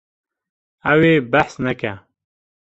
Ew ê behs neke.